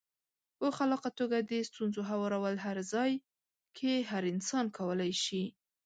په خلاقه توګه د ستونزو هوارول هر ځای کې هر انسان کولای شي.